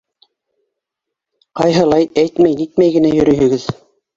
Ҡайһылай... әйтмәй-нитмәй генә йөрөйһөгөҙ...